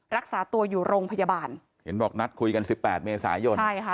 รักษาตัวอยู่โรงพยาบาลเห็นบอกนัดคุยกันสิบแปดเมษายนใช่ค่ะ